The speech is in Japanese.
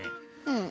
うん。